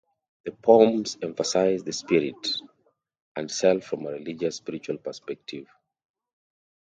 The poems emphasise the spirit and self from a religious, spiritual perspective.